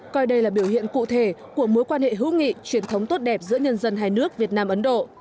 coi đây là biểu hiện cụ thể của mối quan hệ hữu nghị truyền thống tốt đẹp giữa nhân dân hai nước việt nam ấn độ